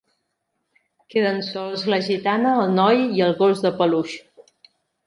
Queden sols la gitana, el noi i el gos de peluix.